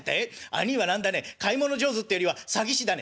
兄いはなんだね買い物上手っていうよりは詐欺師だね」。